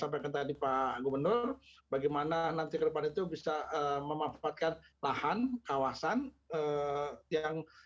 sampaikan tadi pak gubernur bagaimana nanti ke depan itu bisa memanfaatkan lahan kawasan yang